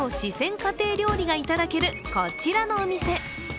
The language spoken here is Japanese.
家庭料理がいただける、こちらのお店。